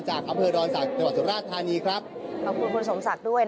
ใช่มั้ยเห็นข้อมูลเข่าสารมันกลัวมากมั้ย